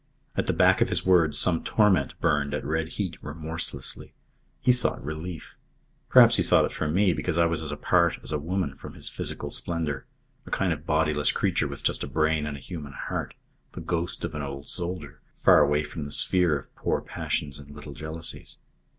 At the back of his words some torment burned at red heat, remorselessly. He sought relief. Perhaps he sought it from me because I was as apart as a woman from his physical splendour, a kind of bodiless creature with just a brain and a human heart, the ghost of an old soldier, far away from the sphere of poor passions and little jealousies.